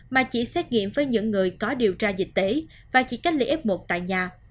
mà chỉ xét nghiệm với những người có điều tra dịch tễ và chỉ cách ly f một tại nhà